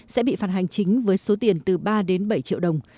sẽ bị phạt hành chính với số tiền từ ba đến bảy triệu đồng